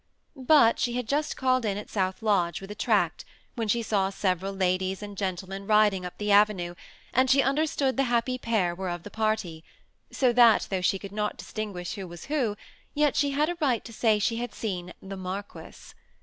But she had just called in at the THE SEMI ATTACHED COUPLE. 17 South Lodge with a tract, when she saw several ladies and gentlemen riding up the avenue, and she understood the happy pair were of the party ; so that, though she could not distinguish who was who, jet she had a right to say she had seen " the Marquis."